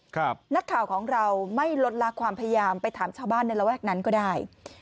นักข่าวของเราไม่ลดลากความพยายามไปถามชาวบ้านในระแวกนั้นก็ได้